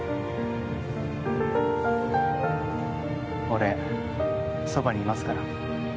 俺、そばにいますから。